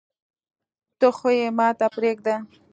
ته خو يي ماته پریږده